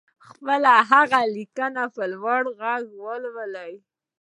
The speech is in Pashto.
خپله هغه ليکنه په لوړ غږ ولولئ.